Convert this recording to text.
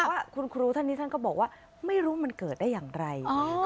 แต่ว่าคุณครูท่านนี้ท่านก็บอกว่าไม่รู้มันเกิดได้อย่างไร